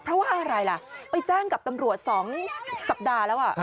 เพราะว่าอะไรล่ะไปแจ้งกับตำรวจ๒สัปดาห์แล้ว